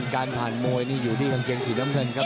การผ่านมวยนี่อยู่ที่กางเกงสีน้ำเงินครับ